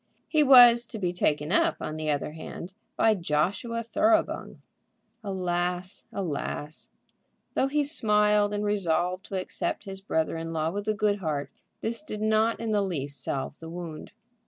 He was to be taken up, on the other hand, by Joshua Thoroughbung. Alas! alas! though he smiled and resolved to accept his brother in law with a good heart, this did not in the least salve the wound.